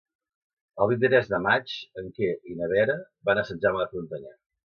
El vint-i-tres de maig en Quer i na Vera van a Sant Jaume de Frontanyà.